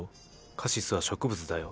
カシスは植物だよ。